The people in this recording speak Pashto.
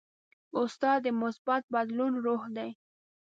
استاد د مثبت بدلون روح دی.